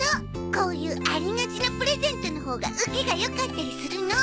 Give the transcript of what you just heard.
こういうありがちなプレゼントのほうが受けがよかったりするの。